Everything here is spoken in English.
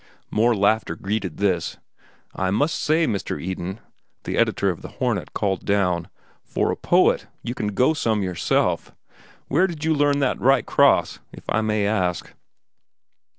More laughter greeted this. "I must say, Mr. Eden," the editor of The Hornet called down, "that for a poet you can go some yourself. Where did you learn that right cross—if I may ask?"